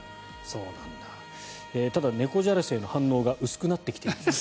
ただ、猫じゃらしへの反応が薄くなってきているようです。